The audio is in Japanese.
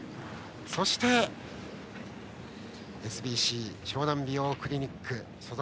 そしてＳＢＣ湘南美容クリニック所属。